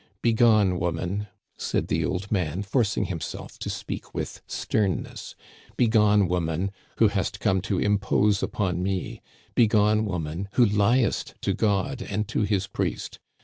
"* Begone, woman,' said the old man, forcing him self to speak with sternness ;* begone, woman, who hast come to impose upon me ; begone, woman, who liest to God and to his priest.